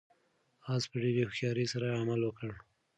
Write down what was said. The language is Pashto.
آس په ډېرې هوښیارۍ سره عمل وکړ.